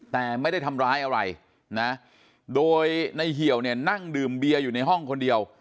แต่ไม่ได้ทำร้ายอะไรนะโดยในเหี่ยวเนี่ยนั่งดื่มเบียร์อยู่ในห้องคนเดียว